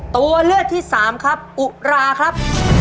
ตัวเลือกที่สามครับอุราครับ